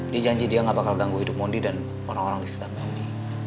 dia janji dia gak bakal ganggu hidup mondi dan orang orang di sekitar mondi